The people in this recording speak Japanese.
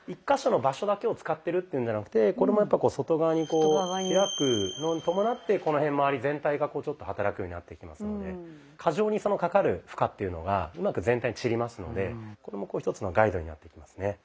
１か所の場所だけを使ってるっていうんじゃなくてこれもやっぱ外側にこう開くのに伴ってこの辺まわり全体がちょっと働くようになってきますので過剰にかかる負荷っていうのがうまく全体に散りますのでこれも１つのガイドになっていきますね。